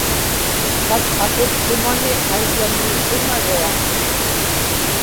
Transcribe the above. tatqakiptumani qayyami isimaruaq